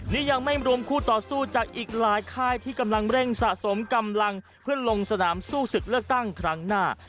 นี่ยังไม่รวมคู่ต่อสู้จากอีกหลายค่ายที่กำลังเร่งสะสมกำลังเพื่อลงสนามสู้ศึกเลือกตั้งครั้งหน้า